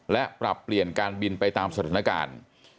และปรับเปลี่ยนการบินไปตามสถานการณ์